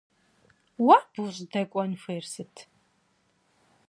Уэ абы ущӀыдэкӀуэн хуейр сыт?